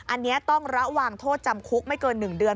อันนี้ต้องระวังโทษจำคุกไม่เกิน๑เดือน